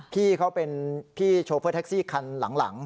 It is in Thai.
พี่เขาเป็นพี่โชเฟอร์แท็กซี่คันหลัง